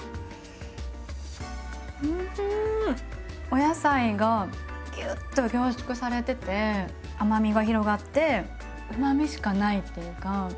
お野菜がぎゅっと凝縮されてて甘みが広がってうまみしかないっていうか。